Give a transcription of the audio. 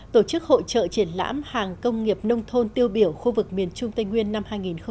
tổ chức hội trợ triển lãm hàng công nghiệp nông thôn tiêu biểu khu vực miền trung tây nguyên năm hai nghìn hai mươi